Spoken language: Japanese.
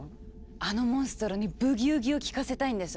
あのモンストロに「ブギウギ」を聞かせたいんです。